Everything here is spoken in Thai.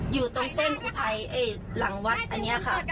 อยู่ตรงเส้นครูไทยเอ๊ะหลังวัดอันเนี่ยค่ะ